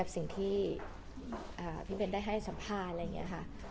สิ่งที่พี่เบนได้ให้สัมภาษณ์อะไรอย่างนี้ค่ะ